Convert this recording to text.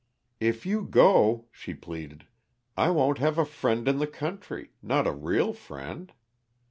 "If you go," she pleaded, "I won't have a friend in the country, not a real friend.